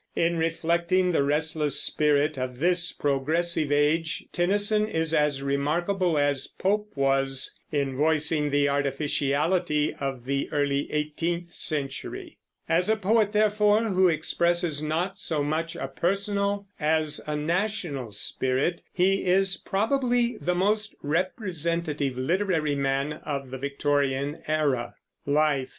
In reflecting the restless spirit of this progressive age Tennyson is as remarkable as Pope was in voicing the artificiality of the early eighteenth century. As a poet, therefore, who expresses not so much a personal as a national spirit, he is probably the most representative literary man of the Victorian era. LIFE.